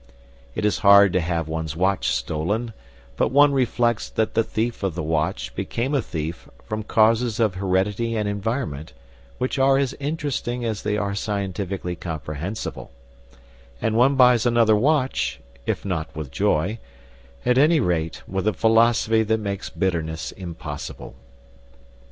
It is hard to have one's watch stolen, but one reflects that the thief of the watch became a thief from causes of heredity and environment which are as interesting as they are scientifically comprehensible; and one buys another watch, if not with joy, at any rate with a philosophy that makes bitterness impossible.